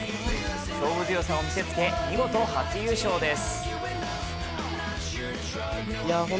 勝負強さを見せつけ見事初優勝です。